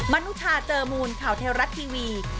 นุชาเจอมูลข่าวเทวรัฐทีวี